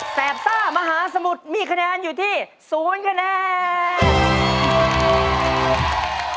แปบซ่ามหาสมุทรมีคะแนนอยู่ที่๐คะแนน